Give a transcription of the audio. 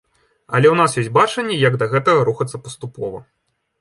Але ў нас ёсць бачанне, як да гэтага рухацца паступова.